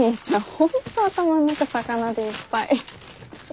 本当頭ん中魚でいっぱい。